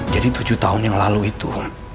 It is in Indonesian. jadi tujuh tahun yang lalu itu